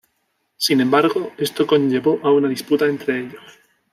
Sin embargo, esto conllevó a una disputa entre ellos.